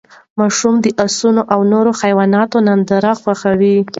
ماشومان د اسونو او نورو حیواناتو ننداره خوښوي.